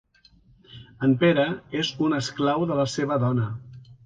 En Pere és un esclau de la seva dona.